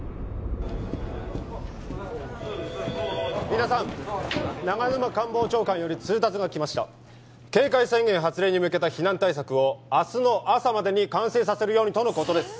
皆さん長沼官房長官より通達が来ました警戒宣言発令に向けた避難対策を明日の朝までに完成させるようにとのことです